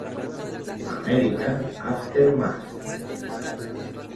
American aftermath.